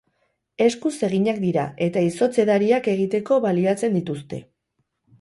Eskuz eginak dira eta izotz-edariak egiteko baliatzen dituzte.